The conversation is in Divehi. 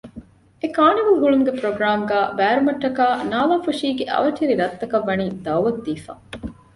އެކާނިވަލް ހުޅުވުމުގެ ޕްރޮގްރާމްގައި ބައިވެރިވުމަށްޓަކާ ނާލާފުށީގެ އަވަށްޓެރި ރަށްތަކަށް ވަނީ ދައުވަތު ދީފަ